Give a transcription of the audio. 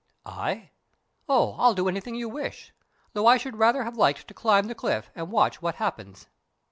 "I? Oh, I'll do anything you wish, though I should rather have liked to climb the cliff and watch what happens."